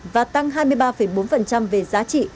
và tăng hai mươi ba bốn về giá trị